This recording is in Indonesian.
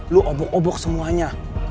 lu obok obok semuanya